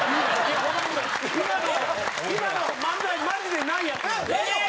今の今の漫才マジでないやつなのよ。